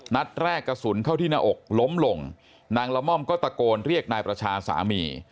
นัดแรกกระสุนเข้าที่หน้าอกล้มลงนางละม่อมก็ตะโกนเรียกนายประชาสามี